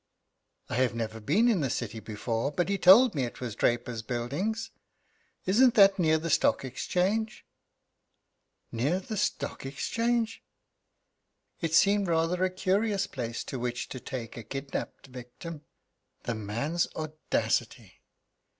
"I have never been in the City before, but he told me it was Draper's Buildings. Isn't that near the Stock Exchange?" "Near the Stock Exchange?" It seemed rather a curious place to which to take a kidnapped victim. The man's audacity!